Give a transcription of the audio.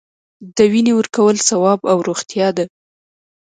د وینې ورکول ثواب او روغتیا ده